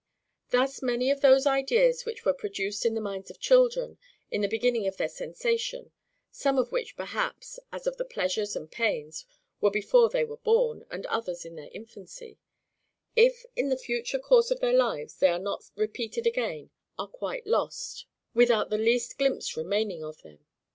Thus many of those ideas which were produced in the minds of children, in the beginning of their sensation, (some of which perhaps, as of some pleasures and pains, were before they were born, and others in their infancy,) if in the future course of their lives they are not repeated again, are quite lost, without the least glimpse remaining of them.